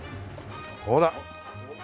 ほら。